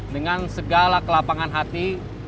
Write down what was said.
dengan segala kelapangan hati